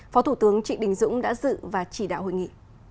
phó thủ tướng trịnh đình dũng đã dự và chỉ đạo hội nghị